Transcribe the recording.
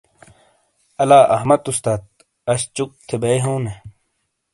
الہ احمد استاس اش چُک تھے بیۓ ہاؤں نے ۔